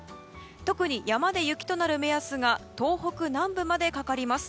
特に山で雪となる目安が東北南部までかかります。